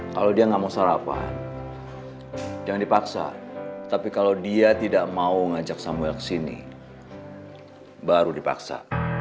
kalau dia nggak mau sarapan jangan dipaksa tapi kalau dia tidak mau ngajak samuel ke sini baru dipaksa